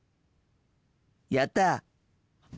やった！